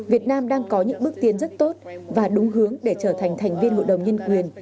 việt nam đang có những bước tiến rất tốt và đúng hướng để trở thành thành viên hội đồng nhân quyền